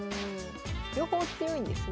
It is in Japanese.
両方強いんですね。